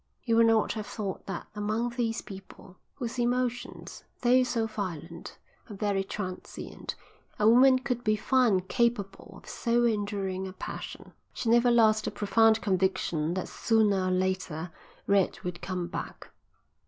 You would not have thought that among these people, whose emotions, though so violent, are very transient, a woman could be found capable of so enduring a passion. She never lost the profound conviction that sooner or later Red would come back.